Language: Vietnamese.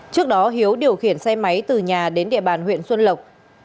trước đó hiếu điều khiển xe máy từ nhà đến địa bàn huyện xuân lộc